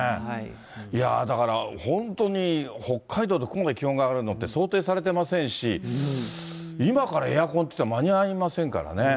いやぁ、だから、本当に北海道でここまで気温が上がるのって想定されてませんし、今からエアコンっていっても間に合いませんからね。